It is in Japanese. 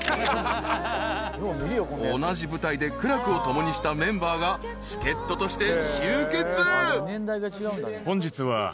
［同じ部隊で苦楽を共にしたメンバーが助っ人として集結］